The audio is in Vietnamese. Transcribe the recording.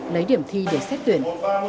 lấy điểm thi để xét tuyển